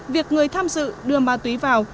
việc người tham dự đưa ma túy vào